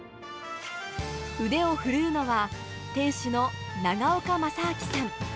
腕を振るうのは、店主の長岡正明さん。